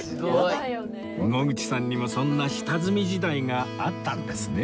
野口さんにもそんな下積み時代があったんですね